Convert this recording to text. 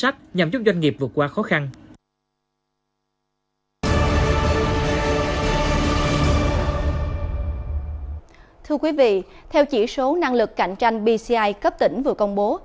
thưa quý vị theo chỉ số năng lực cạnh tranh bci cấp tỉnh vừa công bố